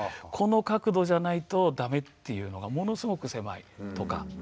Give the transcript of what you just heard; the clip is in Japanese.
この角度じゃないと駄目っていうのがものすごく狭いとか。